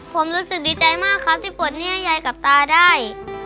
ผมรู้สึกดีใจมากครับที่ปลดหนี้ให้ยายกับตาได้